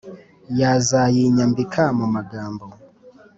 bazayinyambika mu magambo